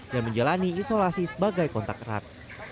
dan menjalani isolasi sebagai kontak erat